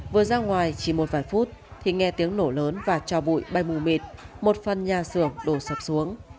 vừa ra ngoài chỉ một vài phút thì nghe tiếng nổ lớn và cho bụi bay mù mịt một phần nhà xưởng đổ sập xuống